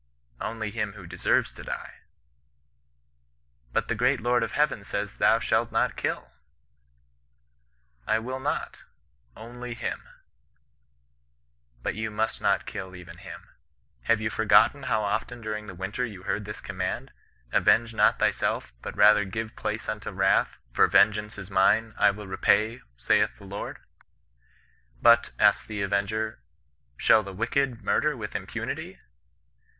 ' Only him who deserves to die.' —^ But the great Lord of Heaven says, thou shalt not hilV * I wiU not— only him^ — 'But you must not kill even him. Have you forgotten how often during the winter, you heard this command: ^Avenge not my self ^ hut rather give place unto vyrath; for vengeance is mine, I wiU repay y saith the Lord^ —* But,' asked the avenger, * shall the wicked murder with impunity?'